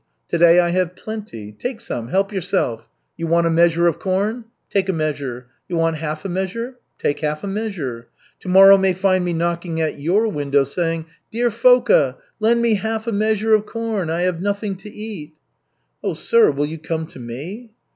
To day I have plenty. Take some, help yourself. You want a measure of corn? Take a measure. You want half a measure? Take half a measure. Tomorrow may find me knocking at your window saying, 'Dear Foka, lend me half a measure of corn, I have nothing to eat.'" "Oh, sir, will you come to me?"